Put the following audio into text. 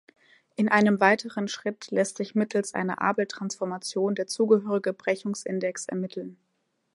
In einem weiteren Schritt lässt sich mittels einer Abel-Transformation der zugehörige Brechungsindex ermitteln.